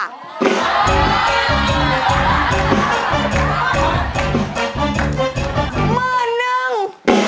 หมื่นนึง